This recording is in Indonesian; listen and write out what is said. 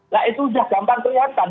nah itu sudah gampang kelihatan